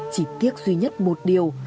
chỉ tiếc duy nhất một điều